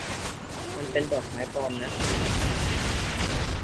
มันเป็นดอกไม้ปลอมนะ ทำจากผ้า